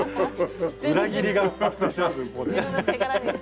裏切りが発生してます